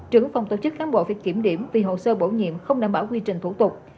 trưởng phòng tổ chức kháng bộ phải kiểm điểm vì hồ sơ bổ nhiệm không đảm bảo quy trình thủ tục